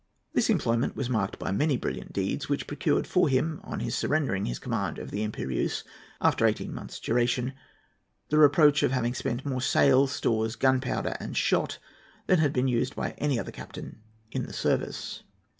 This employment was marked by many brilliant deeds, which procured for him, on his surrendering his command of the Imperiéuse after eighteen months' duration, the reproach of having spent more sails, stores, gunpowder, and shot than had been used by any other captain in the service.